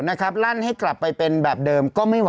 อาจจะเป็นแบบนี้